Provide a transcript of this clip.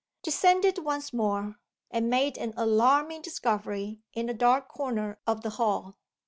Descended once more and made an alarming discovery in a dark corner of the hall.